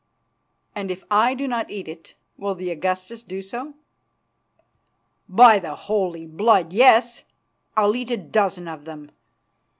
"And if I do not eat it, will the Augustus do so?" "By the Holy Blood, yes. I'll eat a dozen of them.